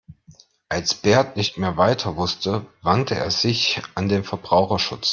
Als Bert nicht mehr weiter wusste, wandte er sich an den Verbraucherschutz.